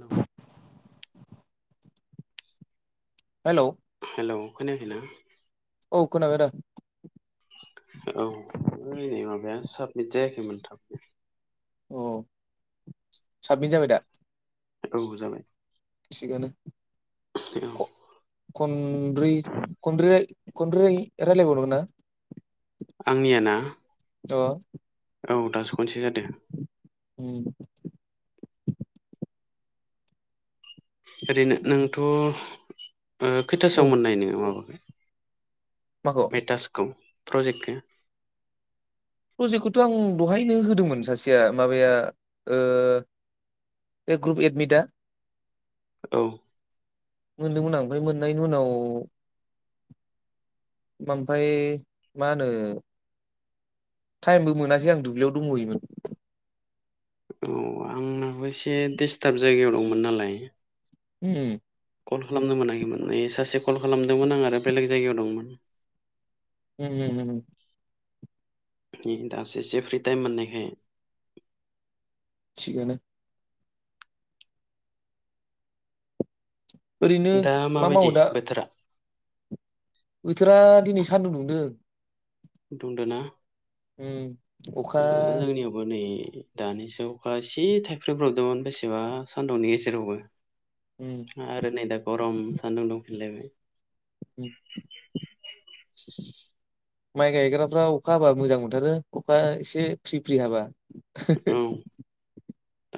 Hello hello hello खोनायाखै ना? औ खोनाबाय दा औ नै माबाया साबमिट जायाखैमोन थाबनो। अ साबमिट जाबाय दा? औ जाबाय। थिगानो औ ख- खनब्रै खनब्रै खनब्रै राय रायलायबाव नांगोनना। आंनिया ना अ औ दासो खनसे जादो अम ओरैनो नोंथ' ओ खैथासोआव औ मोननाय नोंङो माबाखो माखौ बे टासखौ प्रजेक्टखो प्रजेक्टखौथ' आं दहायनो होदोंमोन सासेया माबाया ओ बे ग्रुप एडमिटआ औ मोनदोंमोन आं ओमफाय मोननायनि उनाव ओमफाय मा होनो टाइमबो मोनासै आं दुब्लियाव दंहैयोमोन। औ आंनाबो एसे दिडिस्टार्ब जायगायाव दंमोन नालाय। अम कल खालामनो मोनाखैमोन ओय सासे कल खालामदोंमोन आं आरो बेलेग जायगायाव दंमोन। अम अम नै दासो एसे फ्रि टाइम मोननायखाय थिगानो ओरैनो दा मा माबायदि मावो दा बोथोरा बोथोरा दिनै सान्दुं दुंदों दुंदोना अम ओ जोंनियाव बो नै दानिसो अखासे थाइफ्रि फ्रामदोंमोन बेसेबा सानदुंनि गेजेरावबो [inaudible] अम आरो नै दा गरम सान्दुं दुंफिनलायबाय अम माइ गायग्राफ्रा अखा हाबा मोजां मोनथारो अखा एसे फ्रि फ्रि हाबा औ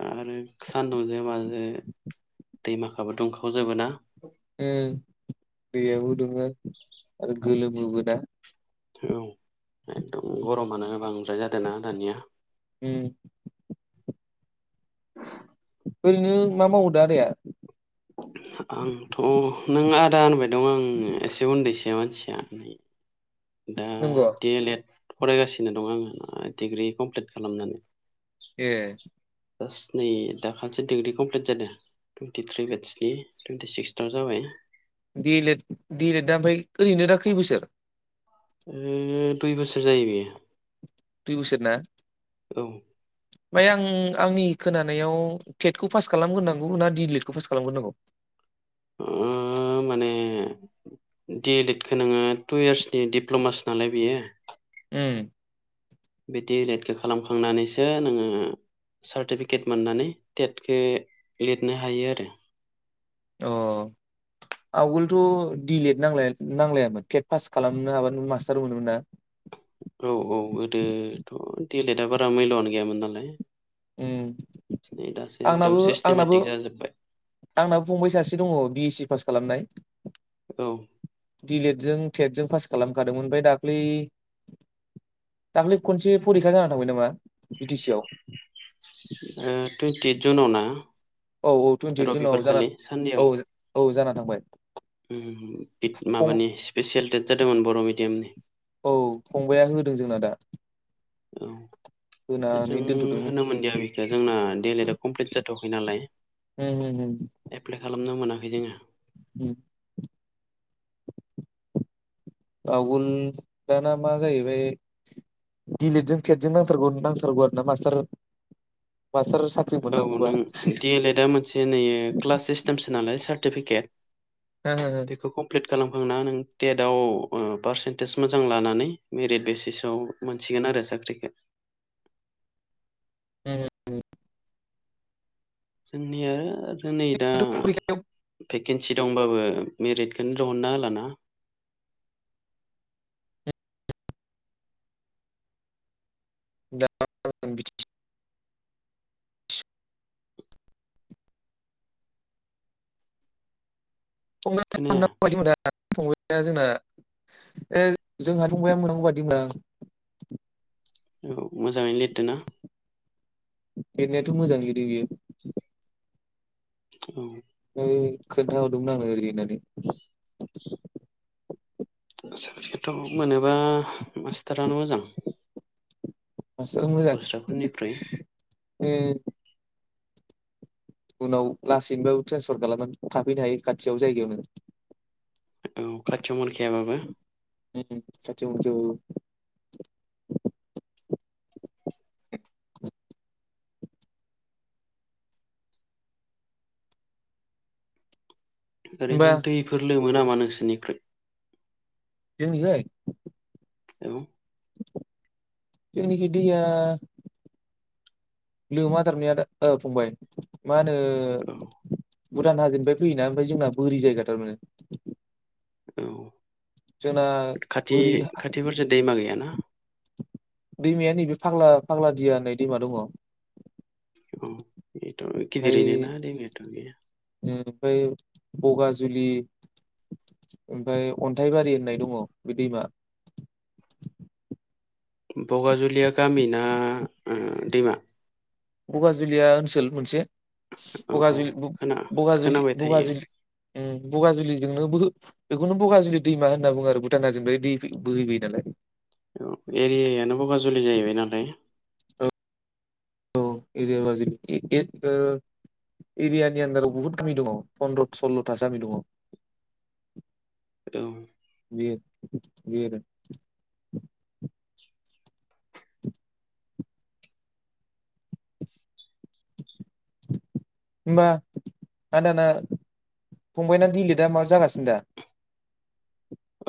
आरो सानदुंजों माजो दैमाखाबो दुंखावजोबो ना। अम दैयाबो दुङो आरो गोलोमोबो ना। ओ एकदम गरमानो बांद्राय जादों ना दानिया अम [inaudible] ओरैनो मा मावो दा आदाया आंथ' नों आदा होनबाय दं आं एसे उन्दैसो मानसिया दा नंगौ डि एल एड फरायगासिनो दं आङो डिग्रि कमप्लिट खालामनानै ए जास्ट नै दाखालिसो डिग्रि कमप्लिट जादों टुइन्टिथ्रि बेद स्नि टुइन्टि सिक्स्थ था जाबाय डि लेड डि लेडा ओमफ्राय ओरैनो दा खै बोसोर अम दुइ बोसोर जायो बियो दुइ बोसोर ना औ ओमफाय आं आंनि खोनानायाव टेटखौ पास खालामग्रोनांगौ ना डि लेडखौ पास खालामग्रोनांगौ ओ माने डिए लेडखौ ङो टु इयार्सनि दिडिप्ल'मासो नालाय बियो उम बि डिलेडखौ खालामखांनानैसो नोङो सार्टिफिकेट मोननानै टेटखो लिरनो हायो आरो अ आवगोलथ दिलेट नांलाया नांलायामोन टेट पास खालामनो हाबानो मास्टार मोनोमोन ना औ औ गोदोथ देलेटआ बारा मैलआनो गैयामोन नालाय उम दासो एकदम आंनाबो आंनाबो सिस्टेमेटिक जाजोबबाय आंनाबो फंबाय सासे दङ बि एस सि पास खालामनाय औ दिलेद जों टेटजों पास खालामखादोंमोन ओमफाय दाख्लै दाख्लै खनसे फरिखा जानानै थांबाय नामा बि टि सि आव ओ टुइन्टि जुनावना औ औ टुवन्टियइद जुनाव जाना औ औ जाना थांबाय ओम बि फं माबानि स्पेसियेल टेट जादोंमोन बर मिडियामनि औ फंबाया होदों जोंना दा औ जों होनानै दोनथ'दों उम होनो मोनदिया बे जा जोंना दडेलिथ कमप्लिट जाथवाखै नालाय हम हम हम एप्लाइ खालामनो मोनाखै जोङो उम आवगोल दाना मा जाहैबाय दिएलेटजों टेटजों नांथारगौ नांथारगौ आरो ना मास्टार मास्टार सा औ नों डि एल एड आ मोनसे नै क्लास सिस्टेमसो नालाय सार्टिफिकेट [unintelligible] बेखौ कमप्लिट खालामखांना नों टेटाव ओ पारसेन्टेज मोजां लानानै मेरिट बेसिसाव मानसिगोन आरो साख्रिखो उम जोंनिआ आरो नै दा भेकेन्सि दंबाबो मेरिटखौनो दिहुनना होलाना [unintelligible] [unintelligible] खोनाया फंबाया जोंना ए जोंहा फंबाया मोननांगौ बादिमोनां औ मोजाङैनो लिरदो ना लिरनायाथ मोजां लिरदों बियो औ ओ खोन्थााहरदोंमोन आङो ओरै होननानै साख्रियाथ मोनोबा मास्टारानो मोजां मास्तारा मोजांसिन दस्राफोरनिख्रुइ ओ उनाव लासैनोबो ट्रेन्सफर खालामनानै थाफैनो हायो खाथियाव जायगायावनो। औ खाथियाव मोनखायाबाबो। खाथियाव मोनखायाबाबो। होमबा ओरैनो दैफोर लोमो नामा नोंसोरनिख्रुइ? जोंनि जै औ। जोंनिखै दैआ लोमा दांलै आदा ओ फंबाय मा होनो औ भुटान हाजोनिफ्राय फैयोना ओमफाय जोंना बोरि जायगा थारमाने जोंना औ खाथि बोरि खाथिफोरसो दैमा गैयाना दैमाया नैबे फाग्ला फाग्ला दिया होननाय दैमा दङ अ बेथ ओमफ्राय गिदिरैनो ना दैमायाथ गैया ओमफ्राय बगाजुलि ओमफाय अन्थाइबारि होननाय दङ बे दैमा। बगाजुलिया गामिना ओ दैमा? बगाजुलिया ओनसोल मोनसे। औ बगाजुलि खोना बगाजुलि खोनाबाय थायो बगाजुलि ओ बगाजुलिजोंनो बेखौनो बगाजुलि दैमा होनना बुङो आरो भुटान हाजोनिफ्रा दै बोहैबोयो नालाय। एरियायानो बगाजुलि जाहैबाय नालाय। औ एदिबाजै एके दो ओ एरियानि आन्दाराव बुहुत गामि दङ पन्दद्र' सल्ल'था गामि दङ। [inaudible] औ। बे बि [inaudible] होमबा आदाना फंबायना दिलिटआ मा जागासिनो दा?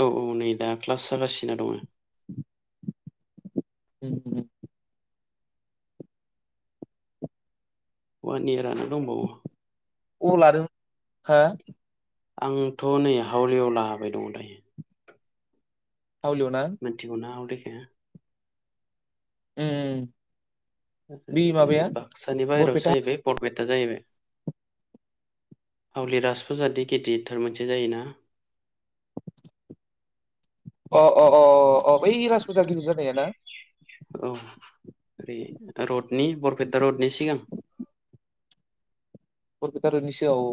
औ औ नै दा क्लास जागासिनो दङ। उम उम। मनदिरानो दंबावो। अबाव लादों हो? आंथ' नै हावलियाव लाबाय दङ दायो। हावलिआव ना? मिथिगौना हावलिखो? उम। ओ बे माबाया बाक्सानि बाहेरायावसो बरपेटा जाहैबाय। बरपेटा जाहैबाय [inaudible] हावलि राजासफोरजाद गिदिरथार मोनसे जायोना। अ अ अ अ अ बै राज फुजा गिदिर जानाया ना? औ ओरै रडनि बरपेटा रडनि सिगां। बरफेथा रदनि सिगां औ।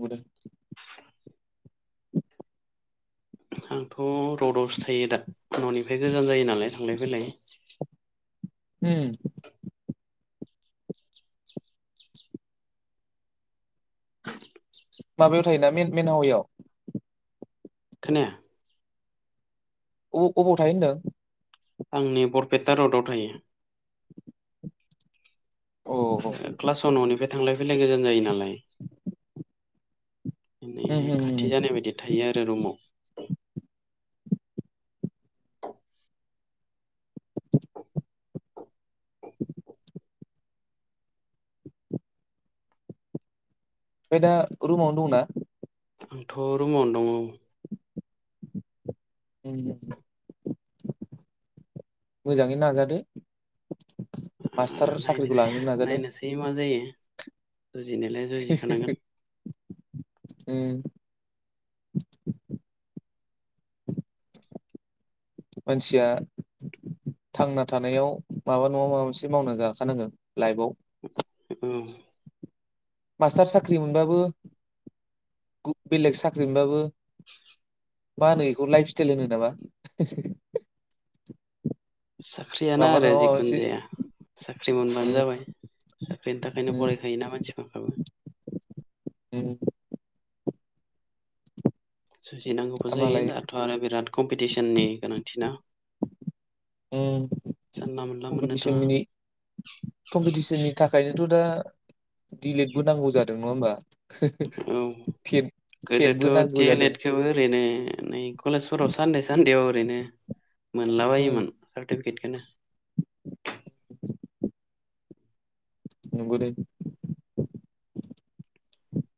नुदों। आंथ' रडआवसो थायो दा न'निफ्राय गोजान जायो नालाय थांलाय फैलाय। होम। माबायाव थायोना मेन मेन हाववेयाव? खोनाया। अ अबाव थायो होनदों? आंनि बरपेटा रडआव थायो। उम क्लासाव न'निफ्राय थांलाय फैलाय गोजान जायो नालाय। [inaudible] बि उम खाथि ओमफ्राय जानाय बायदि थायो आरो रुमाव। [inaudible] [inaudible] ओमफ्राय दा रुमावनो दंना? आंथ' रुमावनो दङ औ। [inaudible] मोजाङै नाजादो मास्टार साख्रिखौ लानो नाजादो। नै मा जायो जुजिनायलाय जुजिखानांगोन। उम मानसिया थांना थानायाव माबा नङा माबा मोनसे मावना जाखानांगोन लाइफआव। औ। मास्टार साख्रि मोनबाबो [inaudible] बेलेग साख्रि मोनबाबो मा होनो बेखौ लाइफ स्टाइल होनो नामा? साख्रियानो माबा आरो नङा माबा जिखुनु मोनसे जाया साख्रि मोनबानो उम जाबाय। साख्रिनि थाखायनो उम फरायखायोना मानसि माखाखौ। उम सुजिनांगौबो जायो मालाय दाथ' आरो बिराद कम्पिटिसननि गोनांथिना। [inaudible] औ जानला मोनला मोननो थाङा कमपिटिसननि कम्पिटिसननि थाखायनोथ' दा डिलेटबो नांगौ जादों नङा होनबा। औ टेटबो गोदोथ' नांगौ थे जादों एद खौबो ओरैनो नै कलेजफोराव सानदे सान्देआव ओरैनो उम मोनलाबायोमोन सार्टिफिकेटखौनो। नोंगौ दे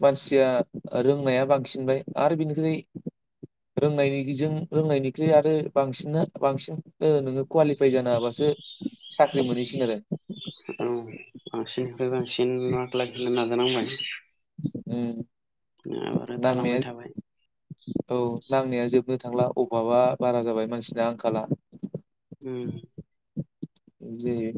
मानसिया रोंनाया बांसिनबाय आरो बिनिफ्राय रोंनायजों रोंनायनिख्रुइ आरो बांसिना बांसिन ओ नोङो कुवालिफाइ जानो हाबासो साख्रि मोनहैसिगोन आरो औ बांसिननिफ्राय बांसिन मार्क लाखिनो नाजानांबाय। उम नङाबा आरो नांनाया थालांबाय थाबाय। औ नांनाया जोबनो थांला अभाबा बारा जाबाय मानसिना आंखाला। ओम जे